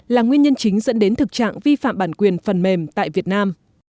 là nguyên nhân chính dẫn đến thực trạng vi phạm bản quyền phần mềm tại việt nam